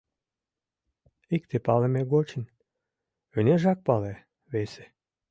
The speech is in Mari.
— Икте палыме гочын ынежак пале, весе...